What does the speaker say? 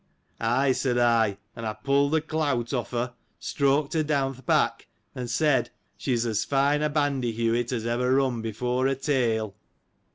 Ay, said I ; and I pulled the clout off her, streaked her down th' back, and said : She is as fine a bandyhewit as ever run before a tail.